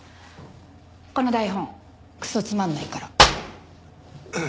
この台本クソつまんないから。